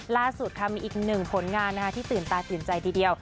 ล่าสุดค่ะมีอีกหนึ่งผลงานที่ตื่นตาตื่นใจทีเดียว